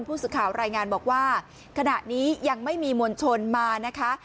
ผู้สื่อข่าวรายงานบอกว่าขณะนี้ยังไม่มีมวลชนมานะคะ